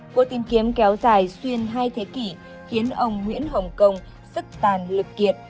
cuộc tìm kiếm kéo dài xuyên hai thế kỷ khiến ông nguyễn hồng công sức tàn lực kiệt